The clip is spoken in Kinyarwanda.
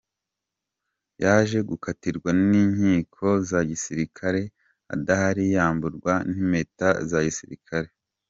Yaje gukatirwa n’inkiko za gisilikare adahari yamburwa n’impeta za gisilikare.